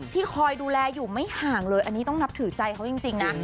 คอยดูแลอยู่ไม่ห่างเลยอันนี้ต้องนับถือใจเขาจริงนะ